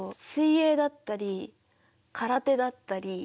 水泳だったり空手だったり。